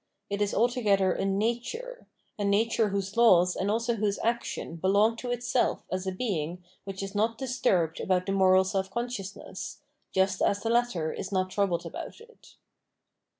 It is alto gether a nature^ a nature whose laws and also whose action belong to itself as a being which is not dis turbed about the moral self consciousness, just as the latter is not troubled about it.